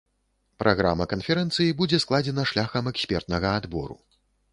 Праграма канферэнцыі будзе складзена шляхам экспертнага адбору.